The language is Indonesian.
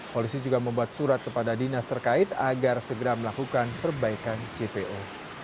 polisi juga membuat surat kepada dinas terkait agar segera melakukan perbaikan jpo